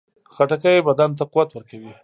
خټکی بدن ته قوت ورکوي.